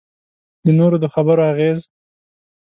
د نورو د خبرو اغېز.